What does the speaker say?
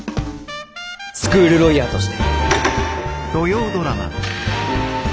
スクールロイヤーとして。